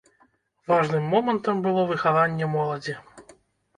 Важным момантам было выхаванне моладзі.